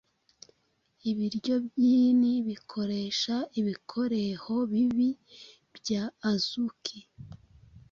Ibiryo byinhi bikoreha ibikoreho bibii bya Azuki